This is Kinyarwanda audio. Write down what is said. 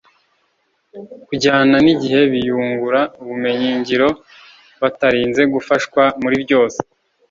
kujyana n’igihe biyungura ubumenyi ngiro batarinze gufashwa muri byose.